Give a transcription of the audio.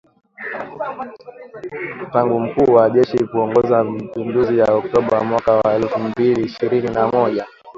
tangu mkuu wa jeshi kuongoza mapinduzi ya Oktoba mwaka wa elfu mbili ishirini na moja.